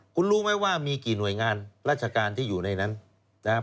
คุณรู้ไหมว่ามีกี่หน่วยงานราชการที่อยู่ในนั้นนะครับ